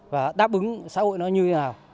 và đáp ứng xã hội nó như thế nào